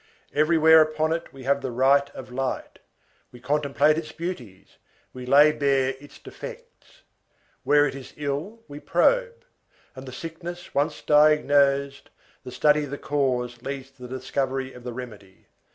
Everywhere upon it we have the right of light, we contemplate its beauties, we lay bare its defects. Where it is ill, we probe; and the sickness once diagnosed, the study of the cause leads to the discovery of the remedy.